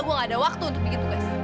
gua gak ada waktu untuk begitu guys